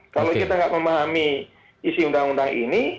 kalau kita tidak memahami isi undang undang ini